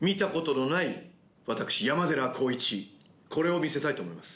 これを見せたいと思います。